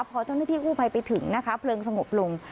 พอเจ้าหน้าที่กู้ภัยไปถึงนะคะเพลิงสงบลง